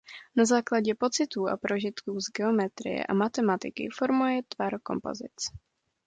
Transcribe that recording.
Na základě pocitů a prožitků z geometrie a matematiky formuje tvar kompozic.